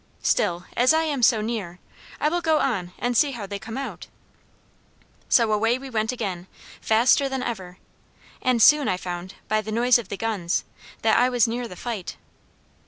Still, as I am so near, I will go on and see how they come out. So away we went again, faster than ever; and I soon found, by the noise of the guns, that I was near the fight.